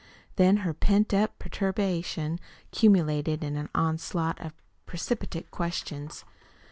Then her pent up perturbation culminated in an onslaught of precipitate questions.